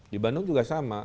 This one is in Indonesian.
di bandung juga sama